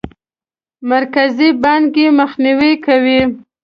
مرکزي بانک یې مخنیوی کوي.